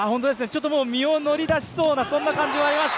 身を乗り出しそうな感じもあります。